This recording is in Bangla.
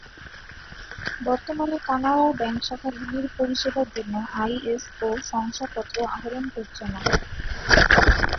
বর্তমানে কানাড়া ব্যাঙ্ক শাখাগুলির পরিষেবার জন্য আইএসও শংসাপত্র আহরণ করছে না।